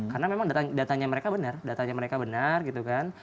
karena memang datanya mereka benar datanya mereka benar gitu kan